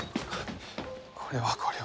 これはこれは。